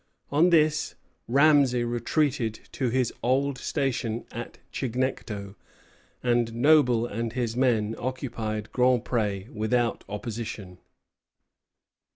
On this, Ramesay retreated to his old station at Chignecto, and Noble and his men occupied Grand Pré without opposition.